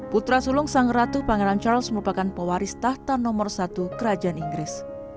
putra sulung sang ratu pangeran charles merupakan pewaris tahta nomor satu kerajaan inggris